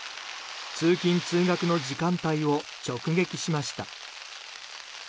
通勤・通学の時間帯を直撃しました。